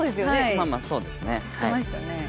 まあまあそうですね。